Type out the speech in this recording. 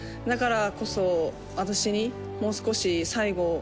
だからこそ、私にもう少し、最後